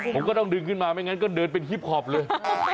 ผมก็ต้องดึงขึ้นมาไม่งั้นก็เดินเป็นฮิปพอปเลย